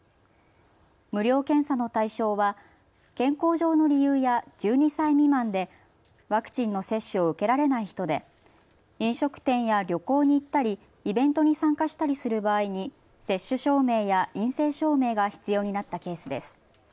無料検査の対象は健康上の理由や１２歳未満でワクチンの接種を受けられない人で飲食店や旅行に行ったりイベントに参加したりする場合に接種証明や陰性証明が必要になったケースです。